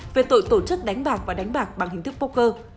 về tội tổ chức đánh bạc và đánh bạc bằng hình thức poker